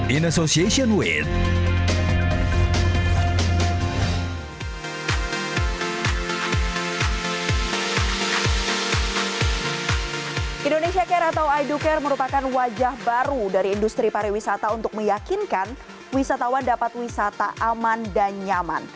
indonesia care atau ido care merupakan wajah baru dari industri pariwisata untuk meyakinkan wisatawan dapat wisata aman dan nyaman